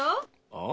あ？